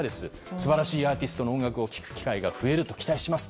素晴らしいアーティストの音楽を聴く機会が増えると期待しています。